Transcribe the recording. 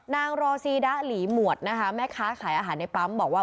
รอซีดะหลีหมวดนะคะแม่ค้าขายอาหารในปั๊มบอกว่า